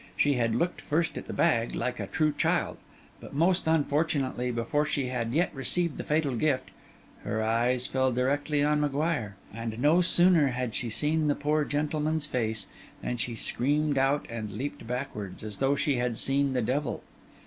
She had looked first at the bag, like a true child; but most unfortunately, before she had yet received the fatal gift, her eyes fell directly on M'Guire; and no sooner had she seen the poor gentleman's face, than she screamed out and leaped backward, as though she had seen the devil.